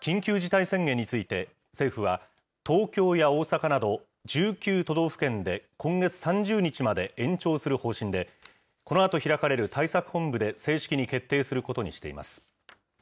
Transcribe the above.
緊急事態宣言について、政府は、東京や大阪など１９都道府県で、今月３０日まで延長する方針で、このあと開かれる対策本部で正式に決定することにしています。